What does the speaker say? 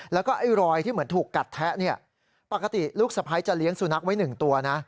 แล้วก็ไอ้รอยที่เหมือนถูกกัดแทะเนี่ยปกติลูกสะพ้ายจะเลี้ยงสุนัขไว้หนึ่งตัวนะ